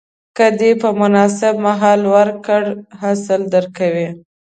که دې په مناسب مهال وکرل، حاصل درکوي.